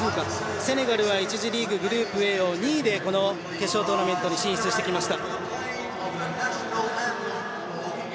セネガルは１次リーグ、グループＢを２位で決勝トーナメントに進出してきました。